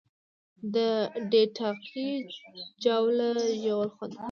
د ټیټاقې جاوله ژوول خوند کوي